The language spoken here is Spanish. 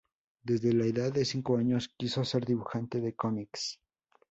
Desde la edad de cinco años quiso ser dibujante de cómics.